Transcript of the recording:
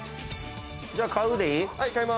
じゃあ買うでいい？